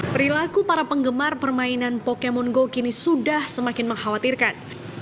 perilaku para penggemar permainan pokemon go kini sudah semakin mengkhawatirkan